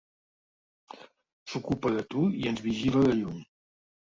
S'ocupa de tu i ens vigila de lluny.